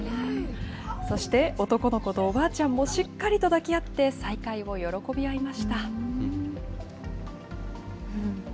そして、男の子とおばあちゃんもしっかりと抱き合って再会を喜び合いました。